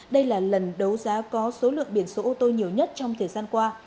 đây là lần đấu giá có số lượng biển số ô tô nhiều nhất trong thời gian qua